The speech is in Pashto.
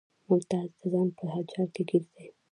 ممتاز د ځان په جال کې ګیر دی